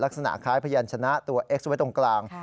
ลักษณะคล้ายพยานชนะตัวเอ็กซ์ไว้ตรงกลาง